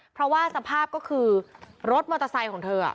เพราะว่าสภาพก็คือรถมอเตอร์ไซค์ของเธอ